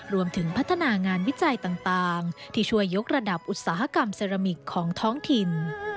รวมถึงพัฒนางานวิจัยต่างที่ช่วยยกระดับอุตสาหกรรมเซรามิกของท้องถิ่น